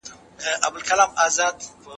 زينې خوندي بندونه ولري.